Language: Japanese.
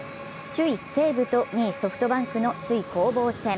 首位・西武と２位・ソフトバンクの首位攻防戦。